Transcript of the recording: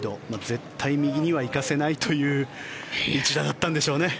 絶対右には行かせないという一打だったんでしょうね。